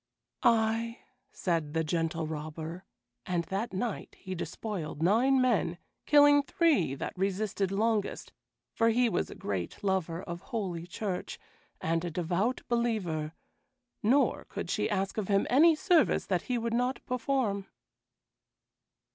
"Ay," said the Gentle Robber, and that night he despoiled nine men, killing three that resisted longest, for he was a great lover of Holy Church, and a devout believer, nor could she ask of him any service that he would not perform.